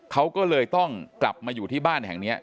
เขาก็เลยต้องกลับมาอยู่ที่บ้านแห่งนี้